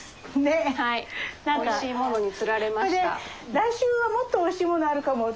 「来週はもっとおいしいものあるかも」